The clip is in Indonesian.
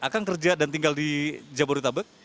akan kerja dan tinggal di jabodetabek